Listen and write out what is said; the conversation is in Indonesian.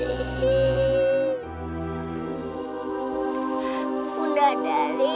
aku sudah dari